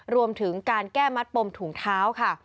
รวมถึงการแก้มัดปมถุงเท้าค่ะ